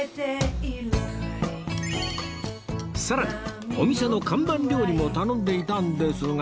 さらにお店の看板料理も頼んでいたんですが